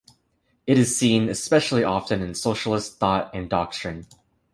It is seen especially often in socialist thought and doctrine.